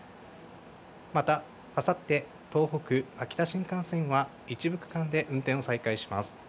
また、あさって、東北、秋田新幹線は一部区間で運転を再開します。